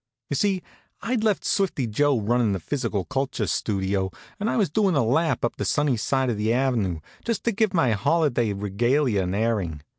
You see, I'd left Swifty Joe runnin' the Physical Culture Studio, and I was doin' a lap up the sunny side of the avenue, just to give my holiday regalia an airing.